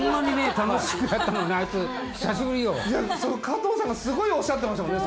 加藤さんがすごいおっしゃってましたもんね。